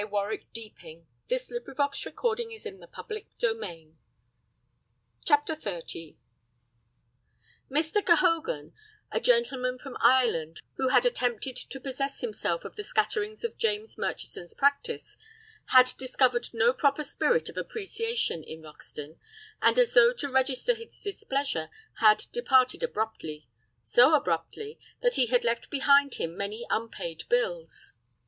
"Yes, I understand." "That's right." "How good and kind you are." "Nonsense, dear, nonsense." CHAPTER XXX Mr. Gehogan, the gentleman from Ireland who had attempted to possess himself of the scatterings of James Murchison's practice, had discovered no proper spirit of appreciation in Roxton, and as though to register his displeasure, had departed abruptly, so abruptly that he had left behind him many unpaid bills.